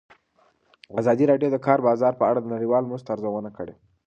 ازادي راډیو د د کار بازار په اړه د نړیوالو مرستو ارزونه کړې.